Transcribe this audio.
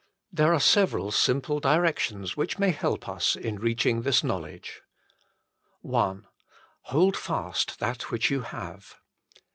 There are several simple directions which may help us in reaching this knowledge. Holdfast that which you have.